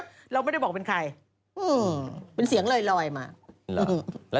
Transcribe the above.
อวดในวิธีเป็นจังหรับ